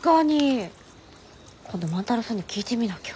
今度万太郎さんに聞いてみなきゃ。